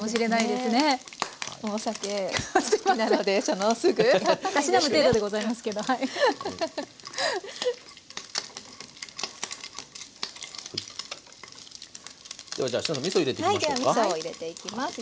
ではみそを入れていきます。